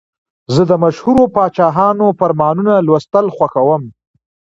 زه د مشهورو پاچاهانو فرمانونه لوستل خوښوم.